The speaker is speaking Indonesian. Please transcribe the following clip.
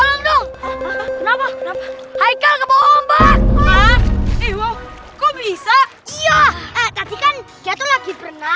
nunggu hai kau kebawa mbak ih kok bisa iya tapi kan dia tuh lagi pernah